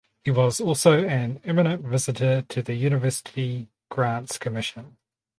He was also an eminent visitor to the University Grants Commission.